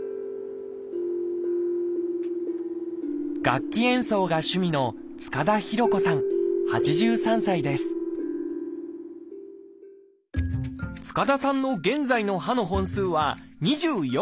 楽器演奏が趣味の塚田さんの現在の歯の本数は２４本。